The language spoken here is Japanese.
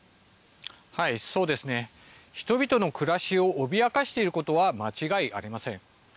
人々の暮らしを脅かしていることは間違いありません。